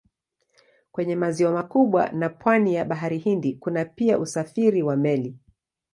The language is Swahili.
Kwenye maziwa makubwa na pwani ya Bahari Hindi kuna pia usafiri wa meli.